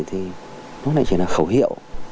thì nó lại chỉ là khẩu hiệu